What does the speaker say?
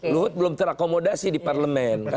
luhut belum terakomodasi di parlemen